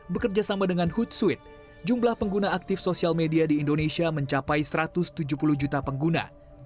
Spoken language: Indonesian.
bekerja sama dengan hootsuite jumlah pengguna aktif sosial media di indonesia mencapai satu ratus tujuh puluh juta pengguna